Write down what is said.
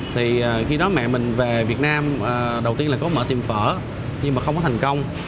thì khi đó mẹ mình về việt nam đầu tiên là có mở tiệm phở nhưng mà không có thành công